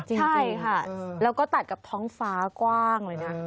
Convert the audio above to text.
จริงค่ะแล้วก็ตัดกับท้องฟ้ากว้างเลยนะ